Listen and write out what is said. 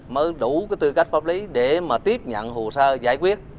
mới đủ cái tư cách pháp lý để mà tiếp nhận hồ sơ giải quyết